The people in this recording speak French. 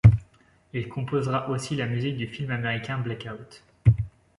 Il composera aussi la musique du film américain Blackout.